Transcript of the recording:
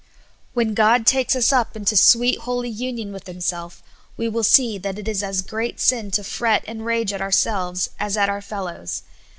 When God takes us up into sweet, holy union with Himself, we will see that it is as great sin to fret and rage at ourselves as at our fellows.